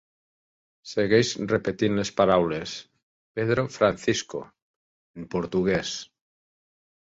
segueix repetint les paraules "Pedro Francisco" en portuguès.